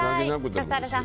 笠原さん